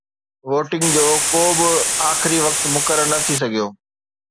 voting جو ڪو به آخري وقت مقرر نه ٿي سگهيو